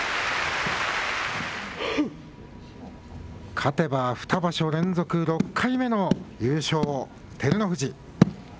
勝てば２場所連続６回目の優勝、照ノ富士。